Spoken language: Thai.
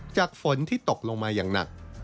ฝนที่ตกลงมาอย่างหนัก